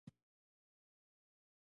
علي په کړې ګناه باندې قسم خوري.